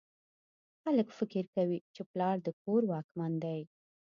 خلک فکر کوي چې پلار د کور واکمن دی